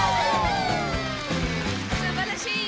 すばらしい。